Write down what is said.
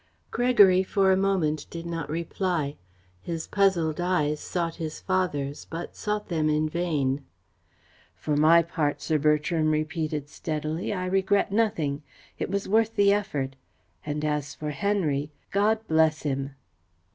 Gregory for a moment did not reply. His puzzled eyes sought his father's, but sought them in vain. "For my part," Sir Bertram repeated steadily, "I regret nothing. It was worth the effort. And as for Henry God bless him!"